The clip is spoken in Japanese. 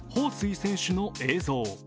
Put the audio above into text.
彭帥選手の映像。